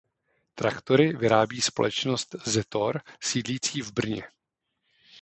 Traktory vyrábí společnost Zetor sídlící v Brně.